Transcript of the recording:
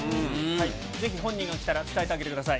ぜひ本人が来たら、伝えてあげてください。